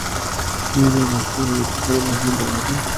Mide de altura y ocupa la posición de base.